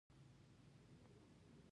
ایا زه باید په ناسته ډوډۍ وخورم؟